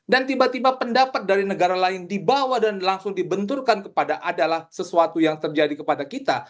dan tiba tiba pendapat dari negara lain dibawa dan langsung dibenturkan kepada adalah sesuatu yang terjadi kepada kita